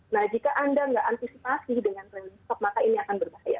nah jika anda nggak antisipasi dengan trending stop maka ini akan berbahaya